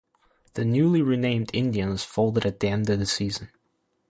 The newly renamed Indians folded at the end of the season.